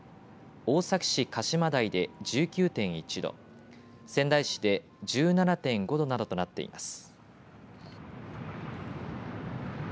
大崎市鹿島台で１９．１度仙台市で１７．５度などとなっています。